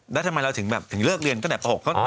แล้วทำไมเราถึงเลิกเรียนก็แบบประหก